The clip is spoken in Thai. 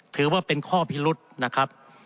ถือว่าเป็นข้อพิรุษนะครับ